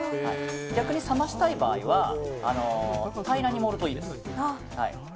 逆に冷ましたい場合は平らに盛るといいです。